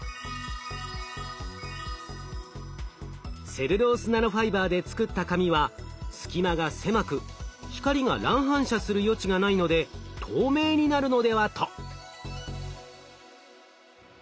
セルロースナノファイバーで作った紙は隙間が狭く光が乱反射する余地がないので透明になるのでは？と。